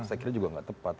saya kira juga nggak tepat